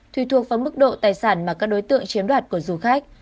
tùy thuộc vào mức độ tài sản mà các đối tượng chiếm đoạt của du khách